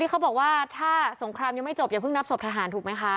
เขาบอกว่าถ้าสงครามยังไม่จบอย่าเพิ่งนับศพทหารถูกไหมคะ